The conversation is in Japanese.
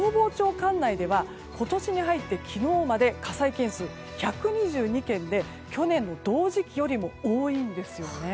管内では今年に入って昨日まで火災件数、１２２件で去年の同時期よりも多いんですよね。